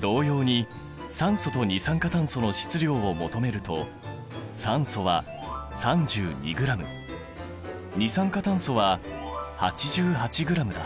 同様に酸素と二酸化炭素の質量を求めると酸素は３２ｇ二酸化炭素は８８ｇだ。